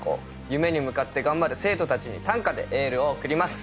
夢に向かって頑張る生徒たちに短歌でエールを送ります。